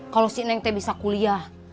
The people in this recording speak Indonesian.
kalau si neng teh bisa kuliah